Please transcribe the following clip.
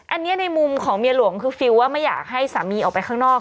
อันนี้ในมุมของเมียหลวงคือฟิลว่าไม่อยากให้สามีออกไปข้างนอก